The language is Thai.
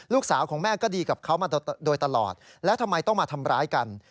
ลูกสาวของแม่ก็ดีกับเขามาโดยตลอดแล้วทำไมต้องมาทำร้ายกัน